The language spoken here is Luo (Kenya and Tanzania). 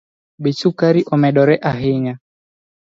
Bech sukari omedore ahinya